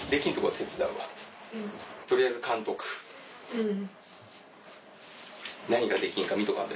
うん。